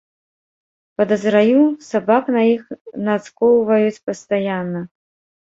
Падазраю, сабак на іх нацкоўваюць пастаянна.